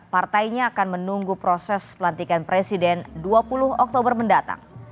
partainya akan menunggu proses pelantikan presiden dua puluh oktober mendatang